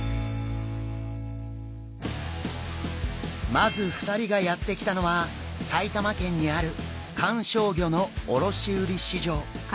まず２人がやって来たのは埼玉県にある観賞魚の卸売市場。